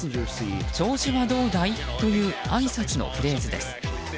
調子はどうだい？というあいさつのフレーズです。